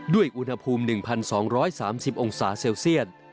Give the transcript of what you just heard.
ด้วยอุณหภูมิ๑๒๓๐องศาเซลเซียต